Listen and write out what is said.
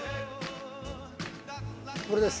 これです。